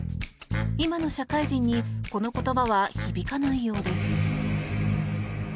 今の社会人にこの言葉は響かないようです。